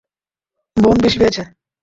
বোন বেশি পেয়েছে।